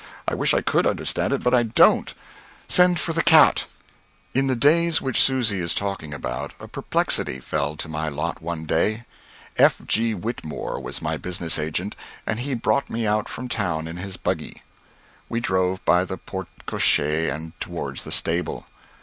I wish I could understand it, but I don't. Send for the cat." In the days which Susy is talking about, a perplexity fell to my lot one day. F. G. Whitmore was my business agent, and he brought me out from town in his buggy. We drove by the porte cochère and toward the stable.